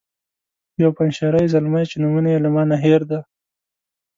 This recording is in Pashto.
یو پنجشیری زلمی چې نومونه یې له ما نه هیر دي.